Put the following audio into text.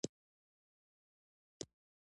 کلي د اړتیاوو د پوره کولو وسیله ده.